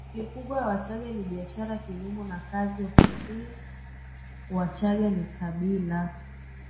Shughuli kubwa ya Wachagga ni biashara kilimo na kazi za ofisiniWachagga ni kabila